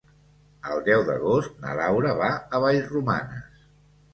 El deu d'agost na Laura va a Vallromanes.